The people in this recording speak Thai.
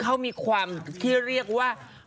เขามีความที่เรียกว่า